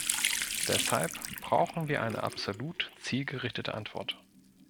Deshalb brauchen wir eine absolut zielgerichtete Antwort.